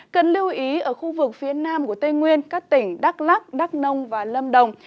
cần lưu ý ở khu vực phía nam của tây nguyên các tỉnh đắk lắc đắk nông và lâm đồng